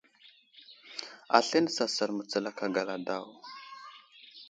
Aslane sasal mətsul aka gala daw.